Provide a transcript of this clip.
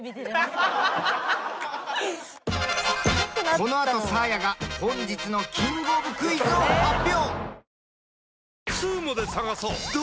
このあとサーヤが本日のキングオブクイズを発表。